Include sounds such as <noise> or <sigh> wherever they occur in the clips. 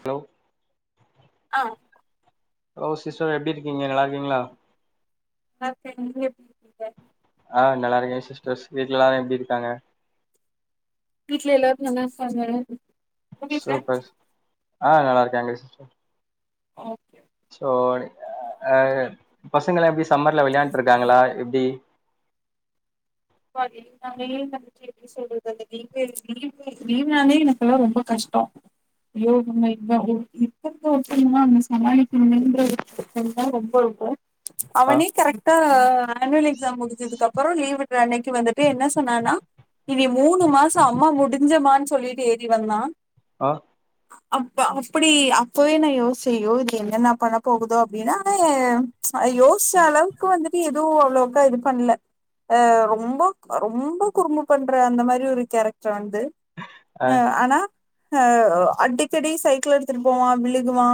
Hello ஆ hello sister எப்டி இருக்கீங்க நல்லா இருக்கீங்களா <unintelligible> ஆ நல்லா இருக்கேன் சிஸ்டர்ஸ் வீட்ல எல்லாரு எப்டி இருக்காங்க வீட்ல எல்லாரும் நல்லாருக்காங்க சூப்பர் ஸ் ஆ நல்லாருக்காங்க சிஸ்டர் ஓகே ஓனு ஆ பசங்களா எப்டி ஸ் சம்மர்ல விளையாண்ட்ருக்காங்களா எப்டி <unintelligible> எனக்குல்லாம் ரொம்ப கஷ்டோ அய்யோ <unintelligible> ஆ அவனே கரெக்டா ஆனுவல் எக்ஸாம் முடிஞ்சதுக்கு அப்புறோ லீவ் விட் து அன்னைக்கு வந்துட்டு என்ன சொன்னனா இனி மூணு மாசோ அம்மா முடிஞ்சமான்னு சொல்லிட்டு ஏறி வந்தா ஆ அ அப்ப அப்புடி அப்பவே நா யோஸ்சே அய்யோ இது என்னன்ன பண்ண போகுதோ அப்டின்னா ஆனா ஏ அ யோசிச்ச அளவுக்கு வந்துட்டு எதுவும் அவ்வளவுக்கா இது பண்ல ஆ ரொம்போக் ரொம்போ குறும்பு பண்ற அந்த மாரி ஒரு கேரக்ட்ரு வந் து ஆ அ ஆனா அ அடிக்கடி சைக்கிள் எடுத்துட்டு போவா விழுகுவா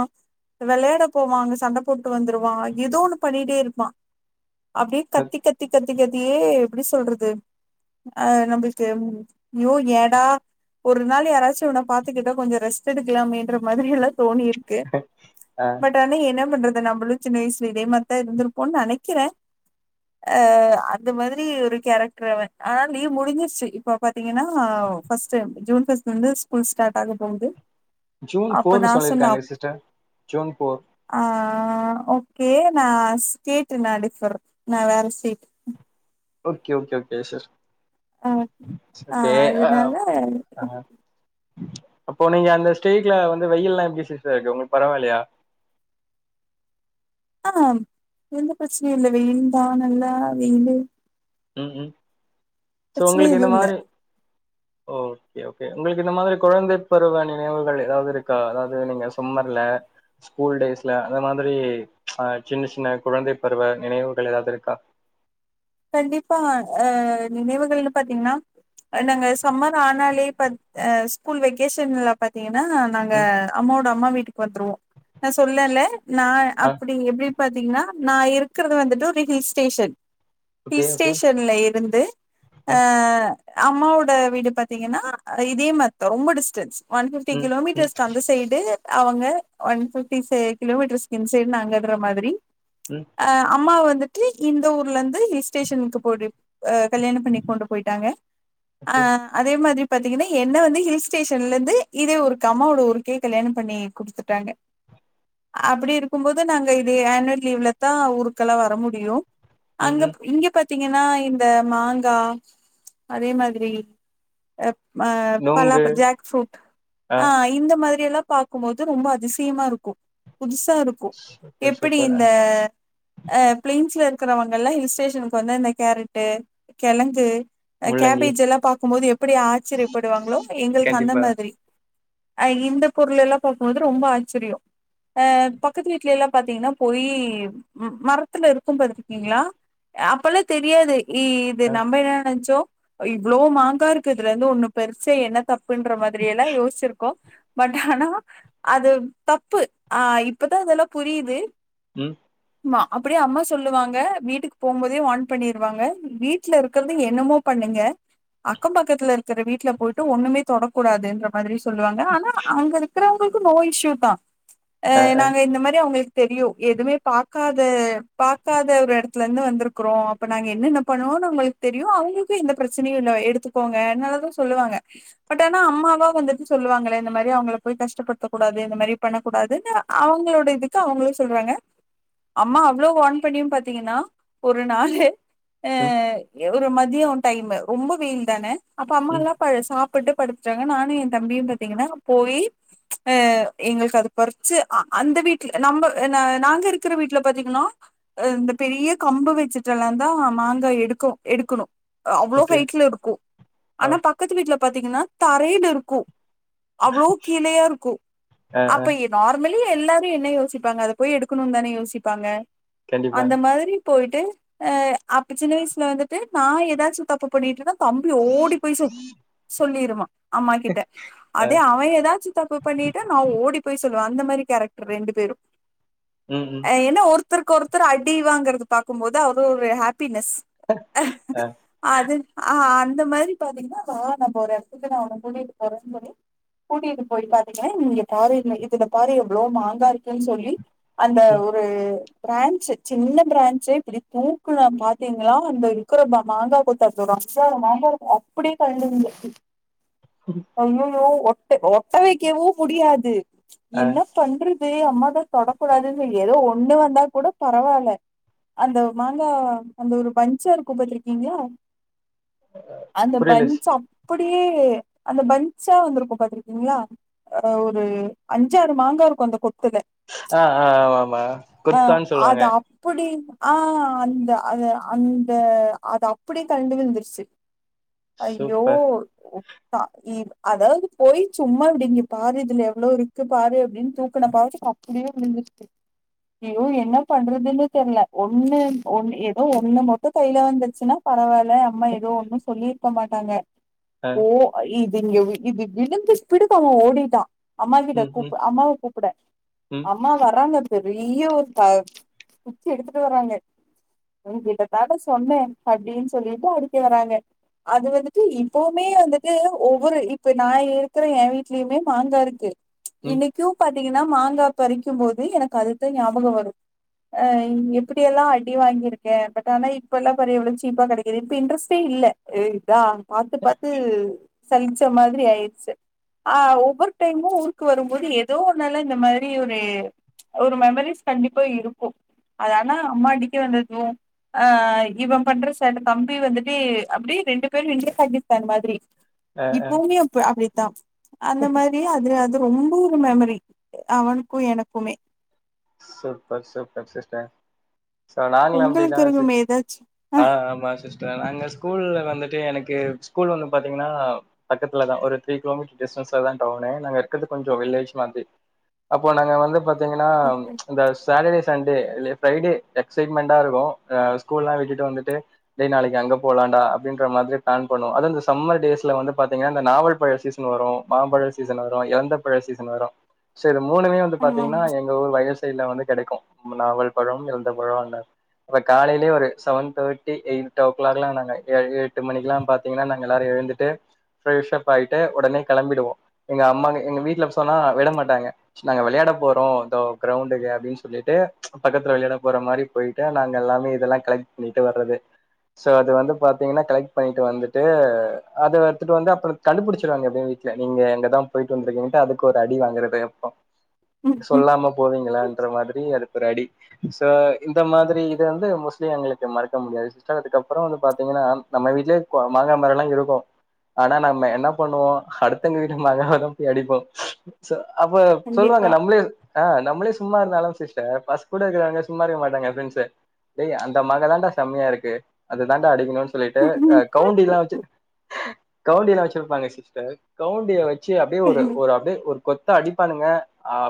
விளையாட போவா அங்க சண்ட போட்டு வந்துருவா ஏதோ ஒண்ணு பண்ணிட்டே இருப்பா அப்டியே கத்தி கத்தி கத் தியே எப்டி சொல்றது அ நம்புளுக்கு யோ ஏடா ஒரு நாள் யாராச்சு உன்ன பாத்துக்கிட்டா கொஞ்ச ரெஸ்ட் எடுக்கலாமேன்ற மாதுரி எல்லா தோனி இருக்கு ஆ பட் ஆனா என்ன பண்றது நம்பளு சின்ன வய்ல இதே மார்த்தா இருந்திருப்போ நெனக்கிற அ இந்த மாதிரி ஒரு கேரக்டர்ன் ஆனால் லீவ் முடிஞ்சிருச்சு இப்போ பாத்தீங்கன்னா ஃபர்ஸ்ட் ஜூன் ஃபஸ்ட் வந்து ஸ்கூல் ஸ்டாட் ஆக போகுது ஜூன் அப்ப போர்னு நான் சொன்ன சொல்லிருக்காங்க சிஸ்டர் ஜூன் போர் ஆ ஓகே நா ஸ்டேட்டு நா differ okay okay okay sir அ அ இதுனால ஆ அப்போ நீங்க அந்த ஸ்டேட்ல வந்து வெய்யல்லா எப்டி சிஸ்ட்ட இருக்கு உங்ளுக்கு பரவால்லையா ஆ எந்த ப்ரச்சனையு இல்ல வெய்யில் தா நல்லா வெய்லு ம் ம் சோ உங்ளுக் இந்த எதுவும் இல்ல மாரி ஓ கே ஓகே உங்களுக்கு இந்த மாதுரி குழந்தை பருவ நினைவுகள் ஏதாவ்து இருக்கா அதாவ்து நீங்க சும்மர்ல ஸ்கூல் டேஸ்ல அந்த மாதுரி அ சின்ன சின்ன குழந்தை பருவ நினைவுகள் ஏதாவ்து இருக்கா கண்டிப்பா அ நினைவுகள்னு பாத்தீங்கன்னா நாங்க சம்மர் ஆனாலே பத் ஸ்கூல் வெக்கேஷன்ல பாத்தீங்கன் நா நாங்க ம். அம்மாவோட அம்மா வீட்டுக் கந்ருவோ நா சொல்லேன்ல நா ஆ அப்டி எப்டி பாத்திங்னா நா இருக்கறது வந்துட்டு ஒரு hill station okay hill okay. ஸ்டேஷன்ல இருந்து ஆ. அ அம்மாவோட வீடு பாத்திங்கன்னா இதே மார்தா ரொம்ப டிஸ்டன்ஸ் ஒன் ஃபிப்டி ம். ம். கிலோமீட்டர்ஸ்க் அந்த சைட்டு அவங்கே ஒன் ஃபிப்டிஸ்சே கிலோமீட்டர்ஸ்க் இன்சைட் நாங்கே இருகிற மாதிரி ம். ச்ச ஆ அம்மா வந் த டீ இந்த ஊர்லந்து டேஷன்க்கு போட்ரேப் ஆ கல்யாணம் பண்ணிட் கொண்டு போயிட்டாங்கே ஆ ஓகே. அதே மாதிரி பாத்தீங்கனா என்னே வந்து ஹில் ஸ்டேஷன்லந்து இதே ஒருக்கம்மாவோட ஊருக்கே கல்யாணம் பண்ணி கொடுத்துட்டாங்கே அப்பிடி இருக்கும் போது நாங்கே இதே ஆனுவல் லீவ்லதா ஊருக்கெல்லா வர முடியு ம் ம் இங்கே பாத்தீங்கனா இந்த மாங்கா ச்ச அதே மாதிரி அ மா பலா நொங்கு. பழ்துக் ஜேக் ஃரூட் ஆ இந்த மாதிரி எல்லாம் பாக்கும்மோது ரொம்பா அதிசியமா இருக்கோ புதுஸ்சா இருக்கோ சூப்பர் எப்பிடி சூப்பர். அ இந்தே ஆ பிளைன்ஸ்ல இ கிற நமகெல்லா ஹில் ஸ்டே டுவு வந்து இந்த கேரட்டூ கெழங்கு அ முள்ளங்கி. கேபேஜ் எல்லா பாக்கும் போது எப்பிடி ஆச்சிரியப்படுவாங்ளோ எங்கெளுக் அந்தே கண்டிப்பா. மாதிரி அக இந்த பொருளெல்லா பாக்கும் மோது ரொம்பா ஆச்சிரியோ ஆ பக்கத் வீட்லே எல்லா பாத்தீங்கனா பொறீவு ம் மரத்துல இருக்கும் பாத்துயிருக்கீங்ளா அப்பல்லா தெரியாது இ இது அ. நம்பே என்னே நெச்சோ இவ்ளோ மாங்கா இருக்கு இதுலருந்து ஒண்ணு பெறிச்சா என்ன தப்பு அப்டின்ற மாதிரி எல்லா யோசிச்ருக்கோ பட் ஆனா அது தப்பு, ஆ இப்பதா இதெல்லா புரியுது ம் ஆமா அப்டியே அம்மா சொல்லுவாங்க வீட்டுக்கு போம்போதே வார்ன் பண்ணிருவாங்க வீட்ல இருக்றத என்னமோ பண்ணுங்க அக்கம் பக்கத்துல இருக்கிற வீட்ல போயிட்டு ஒண்ணுமே தொடக்கூடாதுன்ற மாதிரி சொல்லுவாங்க ஆனா அங்க இருக்கறவங்களுக் கு நோ இஷ்யூ தா, அ நாங்க இந்த மாரி அவங்களுக் தெரியு எதுமே பாக்காத பாகக்காத ஒரு எடத் த்துலந்து வந்துருக்குறோ அப்ப நாங்க என்னென்ன பண்ணுவோனு அவங்களுக்கு தெரியு அவங்களுக்கு எந்த பிரச்சனையு எடுத்துக்கோங்க நல்லாதா சொல்லுவாங்க, பட் ஆனா அம்மாவா வந்துட்டு சொல்லுவாங்களே இந்த மாரி அவங்கள போய் கஷ்டப்படுத்தக்க கூடாது இந்த மாரி பண்ணக்கூடாதுன்னு அவங்களோட இதுக்கு அவங்களு சொல்றாங்க அம்மா அவ்ளோ வார்ன் பண்ணியு பாத்தீங்கன்னா ஒரு நாளு ஆ ம். ஒரு மதியோ டைம்மு ரொம்ப வெயில் தான அப்ப அம்மா ம். எல்லா ப சாப் புட்டு படுத்துடாங்க நானு எ தம்பியு பாத்தீங்கன்னா போய் அ எங்களுக்கு அத பறிச்சு அ அந்த வீட்ல நம்ப ந நாங்க இருக்கிற வீட்ல பாத்தீங்கன்னா அ இந்த பெரிய கம்பு வச்சுட்டுல்லாந்தா மாங்கா எடுக்க எடுக்கணு அ அவ்ளோ ஓகே. ஹைட்ல இருக்கு, ஆ. ஆனா பக்கத்து வீட்ல பாத்தீங்கன்னா தரைல இருக்கு அவ்வளோ கீழேயா இருக்கும் அ அ. அப்ப நார்மல் வெளிய எல்லாரும் என்ன யோசிப்பங்க அத போய் எடுக்கணும்னு தான யோசிப்பாங்க கண்டிப்பா. அந்த மாதிரி போயிட்டு அஹ அப்ப சின்ன வயசுல வந்துட்டு நான் ஏதாச்ச சு தப்ப பண்ணட்டுனா தம்பி ஓடி போய் சொ சொல்லிருவான் <inaudible> அம்மா கிட்ட அ. அதே அவன் ஏதாச்சும் தப்பு பண்ணிட்டடா நான் ஓடி போய் சொல் அந்த மாரி கேரக்டர் ரெண்டு பேரும் ம். ம். அஹ் என்ன ஒருத் ஒருத்தருக்கு ஒருத்தர் அடி வாங்கிறது பாக்கும் போது அது ஒரு ஹாப் ஹாப்பினஸ் அ. அது ஆ அந் இந்த மாதிரி பாத்தீங்கன்னா வ நம்ம ஒரு இஷத்து நான் உன கூட்டிட்டு போறேன்னு சொல்லி கூட்டிகிட்டு போயி பாத்தீங்கன்னா நீங்க பாரு இ இதுல பாரு எவ்வளோ மாங்காய இருக்கன்னு சொல்லி அந்த ம். ஒரு பிராஞ்சு சின்ன பிராஞ் சே இப்படி தூக்குனா பாத்தீங்களா அந்த இருக்கிற மாங் மாங்கா கொத்து அதுல அஞ்சு ஆறு மாங்காய இருக்கு அப்படியே கழண்டு விழுந்துருச்சு ஐயயோ ஒட் ஒட்ட வைக்கவும் முடியாது ச்சு அ. என்ன பண்ற செரி அம்மாதான் தொடக்கூடாதுன்னு ஏதோ ஒண்ணு வந்தா கூட பரவாயில்ல அந்த ஒ மாங்கா அந்த ஒரு பஞ்சா இருக்கும் பாத்திருக்கிங்களா அந்த புரியல. பஞ்ச் அப் அப்படியே அந்த பஞ்ச்சா வந்திருக்கும் பாத்திருக்கீங்களா ஒரு அஞ்சாறு மாங்கா இருக்கும் அந்த கொத்து ஆஹ் ஆஹ் ஆமா ஆமா கொத்தான்னு சொல்லுவாங்க தீம் ஆஹ் அந்த அது அந்த அது அப்படியே கழண்டு விழுந்துருச்சு ஐயோ சூப்பர். ஒ அ இவ் அதாவது போய் சும்மா இப்படி இங்க பாரு இதுல எவ்ளோ இருக்கு பாரு அப்படின்னு தூக்கன பாவத்துக்கு அப்படியே விழுந்திருச்சு ஐயோ என்ன பண்றதுன்னு தெரியல ஒண்ணு ஒன்னு ஏதோ ஒண்ணு மட்டும் கையில வந்துருச்சுன்னா பரவாயில்ல த அம்மா ஏதோ ஒண்ணும் சொல்லி போ மாட்டாங்க அ. ஓ ஐ இங்க இது விழுந்து ஸ்பீடுக்கு அவன் ஓடிட்டான் அம்மா கிட்ட ம், ம், கூப்ப அம்மாவ கூப்பிட ம், அம்மா வர்றங்க பெரியா ஒரு த கு குச்சி எடுத்துட்டு வராங்க உ கிட்ட காட்ட சொன்னேன் அப்படின்னு சொல்லிட்டு அடிக்க வறாங்க அது வந்துட்டு இப்பவுமே வந்துட்டு ஒவ்வொரு இப்ப நான் இருக்கிற என் வீட்லயுமே மாங்கா இருக்கு ம். இன்னிக்கும் பாத் பாத்திங்கன்னா மாங்கா பறிக்கும் போது எனக்கு அதுதா ஞாபகம் வரும் அ எப்படியெல்லாம் அடி வாங்கியிருக்கே பட் ஆனா இப்ப எல்லாம் பாறேன் எவ்வளோ சீப்பா கிடைக்கிது இப்ப இன்ட்ரெஸ்ட்டே இல்லை இதா பாத்து பாத்து சலிச்ச மாதிரி ஆயிருச்சு ஆ ஒவ்வொரு டைமும் ஊருக்கு வரும்போது ஏதோ ஒன்னால இந்த மாதிரி ஒரு ஒரு மெமரிஸ் கண்டிப்பா இருக்கும் அது ஆனா அம்மா அடிக்கே வந்ததும் ஆ இவன் பண்ற சேட்ட தம்பி வந்துட்டு அப்படியே ரெண்டு பேரும் இந்திய பாக்கிஸ்தான் மாதிரி அ, அ. இப்போவுமே அப்ப அப்டி த அந்த மாரி அது ரொம்ப ஒரு மெமரி அவனுக்கும் எனக்குமே சூப்பர் சூப்பர் சிஸ்டர் சோ நாங்களும் அப்படிதா உங்களுக்கு சிஸ் இருக்குமே ஏதாச்சு ஆ ஆஹ் ஆமா சிஸ்டர் நாங்க ஸ்கூல்ல வந்து ட்டு எனக்கு ஸ்கூல் வந்து பாத்திங்கனா பக்கத்துல தான் ஒரு த்ரீ கிலோமீட்டர் டிஸ்டன்ஸ்லதா டவுனு நாங்க இருக்கறது வில்ஏஜ் மாதிரி அப்போ நாங்க வந்து பாத்தி பாத்தீங்கன்னா ஓகே அந்த சாட்டர்டே சண்டேல பிரைடே எச்சைட்மெண்ட் ஆ இருக்கும் ஸ்கூல் எல்லா விட்டுட்டு வந்துட்டு டே நாளைக்கு அங்க போலாம் டா அப்படின்ற மாதிரி பிளான் பண்ணுவோம் அதும் இந்த சம்மர் டேஸ்ல வந்து பாத்திங்கனா நாவல்பழ சீசன் வரும் மாம்பழ சீசன் வரும் எலந்த பழ சீசன் வரும் சோ மூணுமே வந்து ஆமாங்க பாத்தீங்கன்னா எங்க ஊர் வய ல வந்து கெடைக்கும் நாவல் பழம் இலந்த பழம் அப்ப காலையிலயே ஒரு seven thirty eight o'clock எல்லாம் நாங்க எட்டு மணிக்கு எல்லாம் பாத்தீங்கன்னா நாங்க எல்லாரும் எழுந்துட்டு்ப் ஃப்ரெஷுப் ஆயிட்டு உடனே கிளம்பிடுவோம் எங்க அம்மா எங்க வீட்டுல சொன்னா விட மாட்டாங்க நாங்க விளையாட போறோ இதோ கிரௌண்டுக்கு அப்டின்னு சொல்லிட்டு ப பக்கத்துல வெளையாட போற மாரி பொய்ட்டு நாங்க எல்லாமே இதெல்லா கலெக்ட் பண்ணிட்டு வர்றது சோ அது வந்து பாத்தீங்ன்னா கலெக்ட் பண்ணிட்டு வந்துட்டு அத எடுத்துட்டு வந்து அப்றோ கண்டுபுடிச்சிருவாங்க வீட்ல எப்டியு நீங்க எங்கதா போயிட்டு வந்திருக்கீங்கட்டு அதுக்கு ஒரு அடி வாங்றது அப்பே ம் ம், சொல்லாம போறிங்லான்ற மாதுரி அதுக்கு அருட் அடி சோ இந்த மாதிரி இத வந்து மோஸ்லி எங்களுக்கு மறக்க முடியாது அதுகப்றோ வந்து பாத்தீங்ன்னா நம்ம வீட்லயே மாங்கா மரோல்லா இருக்கு ஆனா நம்ம என்ன பண்ணுவோ அடுத்தவங்க வீட்டு மாங்காவதா போய் அடிப்போ அப்ப சொல்லுவாங்க கண்டிப்பா நம்ளே நம்ளே சும்மா இருந்தாலு சிஸ்டர் பச கூட இருக்ரவங்க சும்மா இருக்க மாட்டாங்க என் ஃப்ரெண்ட்ஸ் ஏய் அந்த மாங்கா தாடா செம்மைய இருக்கு அது தாடா அடிக்கணு சொல்லிட்டு கவுண்டில்லா வச்சு கவுண்டியல்லா வச்சிருப்பாங்க சிஸ்டர் கவுண்டிய வச் சி அப்டியே ஒரு அப்டியே ஒரு கொத்தா அடிப்பானுங்க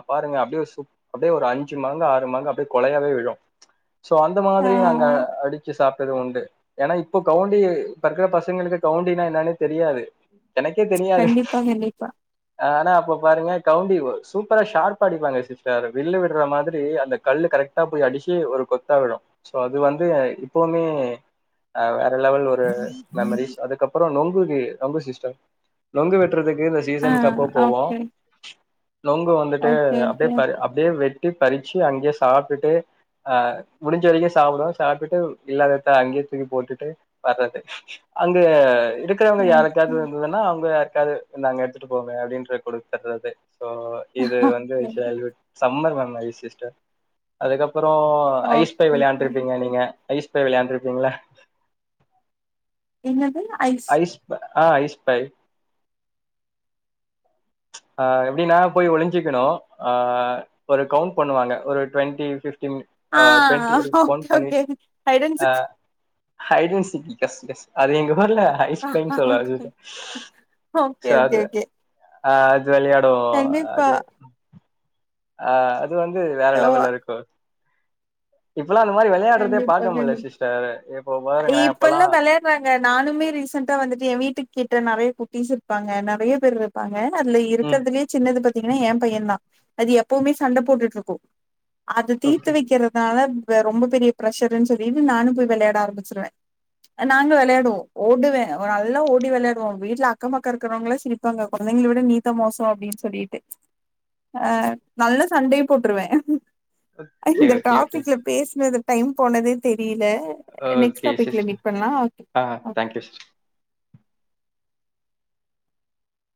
பாருங்க அ ப்ப அப்டியே ஒரு அஞ்சு மாங்க ஆறு மாங்க அப்டியே கொழையாவே விழும் சோ அந்த ஆ மாதிரி நாங்க அடிச்சு சாப்டது உண்டு ஏன்னா இப்போ கவுண்டி இப்ப இருக்ற பசங்களுக்கு கவுண்டினா என்னனே தெரியாது எனக்கே தெரியாது கண்டிப்பா கண்டிப்பா ஆ ஆனா இப்போ பாருங்க கவுண்டி சூப்பரா ஷார்பா அடிப்பாங்க சிஸ்டர் வில் விட்ற மாதிரி அந்த கல்லு கரெக்டா போய் அடிச்சு ஒரு கொத்தா விழு சோ அது வந்து இப்பவுமே வேறலெவல் ஒரு மெமரிஸ் அதுக்கப்றோ நொங்கு வி நொங்கு சிஸ்டர் நொங்கு வெட் வெற்றதுக்கு அந்த ஆ சீசனுக்கு அப்போ போவோ ஓகே நொங்கு வந்துட்டு ஓகே அப்டியே ஓகே ப அப்டியே வெட் படி றிச்சு அங்கேயே சாப்டுட்டு அ முடிஞ்ச வரைக்கு சாப்டுவோ சாப்டுட்டு இல்லாதத அங்கயே தூக்கி போட்டுட்டு வர்றது அங்க இருக்றவங்க ஓகே யாருக்காவது இருந்துதுன்னா அவுங்க காது இந்தாங்க எடுத்துட்டு போங்க அப்டின்ற குடுக்கறது அது சோ இது வந்து சைல்டு ஹூட் சம்மர் வந்து னாவே சிஸ்டர் அதுக்கப் பறோ ஐஸ் பாய் ஓகே ஓகே. வெளையாண்டுருப்பீங்க நீங்க ஐஸ் பாய் வெளையாண்ட்ருப்பீங்கல ஐஸ் பா ஆ, ஐஸ் பாய் அ, எப்டினா போய் ஒளிஞ்சுக்கணு அ ஒரு கவுண்ட் பண்ணுவாங்க ஒரு டுவென்டி ஃபிஃப் ஆ okay okay hide and seek hide and seek yes yes அது எங்க வரல்ல ஐஸ் பாய்ன்னு சொல்லு அதுதா ஓகே சே அத ஓகே ஓகே அது வெளையாடுவோ கண்டிப்பா அது ஆ அது வந்து வேற ஓ லெவல்ல இருக்கு கண்டிப்பா பார்க்க முடியல கண்டிப் சிஸ்டர் இப்போ பாருங்களேன் இப்பல்லா அப்பெல்லாம் வெளையாடுறாங்க நானுமே ரீசண்டா வந்துட்டு ஏ வீட்டுக் கிட்ட நெறைய குட்டிஸ் இருப்பாங்க நெறைய பேர் இருப்பாங்க அதுல ம் இருக்கிறதுலயே சின்னது பாத்தீங்கன்னா ஏ பையந்தா அது எப்பவுமே சண்ட போட்டுட்டு இருக்கு அத தீத்து ஓகே வக்கிறதுனால வே ரொம்ப பெரிய பிர்ஷர்ருன்னு சொல்லிட்டு நானு போய் வெளையாட ஆரம்பிச்சிருவே நாங்க வெளையாடுவோ ஓடுவே நல்லா ஓடி வெளையாடுவோ வீட்ல அக்கம் பக்கம் இருக்கிறவங்களா சிரிப்பாங்க கொழந்தைங்கள விட நீத்தா மோசோ அப்டின் சொல்லிட்டு ஆ நல்லா சண்டையு போட்டுருவே ஓகே இந்த ஓகே ஓகே டாபிக்ல பேசினது டைம் போனதே தெரிய்ல ஆ நெக்ஸ்ட் ஓகே டாப்பிக்ல சிஸ்டர் மீட் பண்லா ஓகே ஆ ஓகே தேங்க்யூ சிஸ்டர்